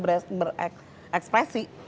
terus kemudian juga